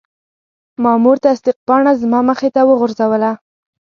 مامور تصدیق پاڼه زما مخې ته وغورځوله.